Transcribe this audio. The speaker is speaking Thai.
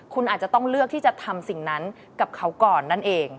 คุณอาจจะต้องเลือกที่จะทำสิ่งนั้นกับเขาก่อนนั่นเอง